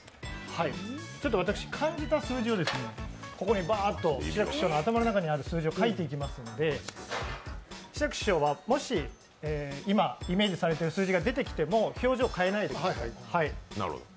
私、感じた数字をここにバーッと志らく師匠の頭の中にある数字を書いていきますので、志らく師匠はもし今イメージされている数字が出てきても表情を変えないでください。